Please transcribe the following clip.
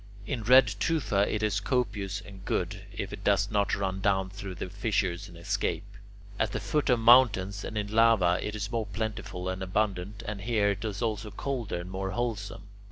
In red tufa it is copious and good, if it does not run down through the fissures and escape. At the foot of mountains and in lava it is more plentiful and abundant, and here it is also colder and more wholesome.